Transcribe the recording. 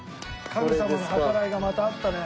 神様の計らいがまたあったね。